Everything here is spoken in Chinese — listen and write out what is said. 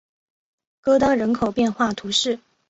戈当人口变化图示